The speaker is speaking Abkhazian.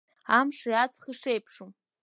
Амши аҵхи шеиԥшу…